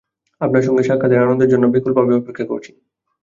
আপনার সঙ্গে সাক্ষাতের আনন্দের জন্য ব্যাকুলভাবে অপেক্ষা করছি।